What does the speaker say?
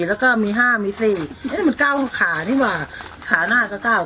แล้วก็มีห้ามีสี่นี่มันก้าวขานี่แหว่าขาหน้าก็ก้าว